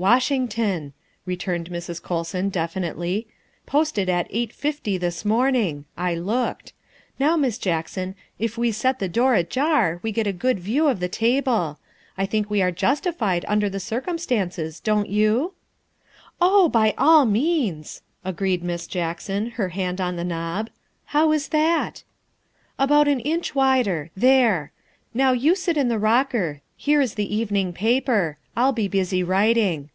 ''" Washington," returned Mrs. Colson definitely, " posted at eight fifty this morning. I looked. Now, Miss Jackson, if we set the door ajar we get a good view of the table. I think we are justified, under the circumstances, don't you?" 314 THE WIFE OF " Oh, by all means," agreed Miss Jackson, her hand on the knob. " How is that?" "About an inch wider there. Now, you sit in the rocker, here is the evening paper. I '11 be busy writing.